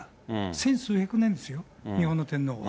千数百年ですよ、日本の天皇は。